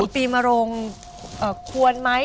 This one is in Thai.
ปีมรงควรไหม